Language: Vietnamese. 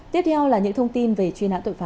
tiếp theo là những thông tin về chuyên án tội phạm